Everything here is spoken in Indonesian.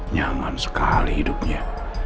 nyaman sekali hidupnya